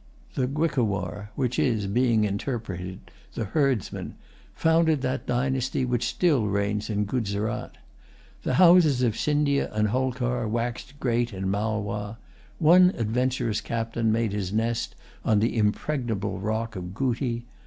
The Guicowar, which is, being interpreted, the Herdsman, founded that dynasty which still reigns in Guzerat. The houses of Scindia and Holkar waxed great in Malwa. One adventurous captain made his nest on the impregnable rock of Gooti.